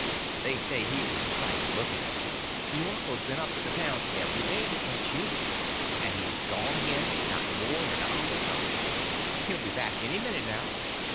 They say he was a sight to look at. Your uncle's been up to the town every day to fetch you. And he's gone again, not more'n an hour ago; he'll be back any minute now.